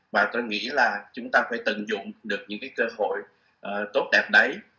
và tôi nghĩ là chúng ta phải tận dụng được những cái cơ hội tốt đẹp đấy